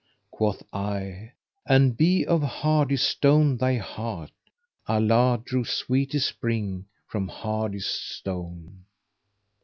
Quoth I, 'An be of hardest stone thy heart, * Allah drew sweetest spring from hardest stone.'